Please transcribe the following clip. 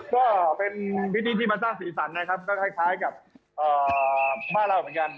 ก็เป็นพิธีที่มาสร้างสีสันนะครับก็คล้ายกับบ้านเราเหมือนกัน